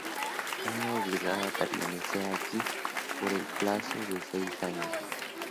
Era obligado a permanecer allí por el plazo de seis años.